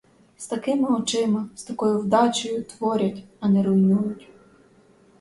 З такими очима, з такою вдачею творять, а не руйнують.